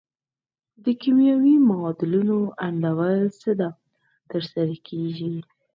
د کیمیاوي معادلو انډول څه ډول تر سره کیږي؟